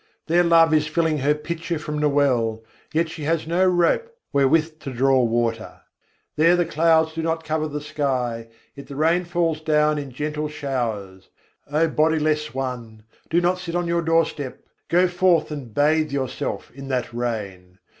There Love is filling her pitcher from the well, yet she has no rope wherewith to draw water; There the clouds do not cover the sky, yet the rain falls down in gentle showers: O bodiless one! do not sit on your doorstep; go forth and bathe yourself in that rain!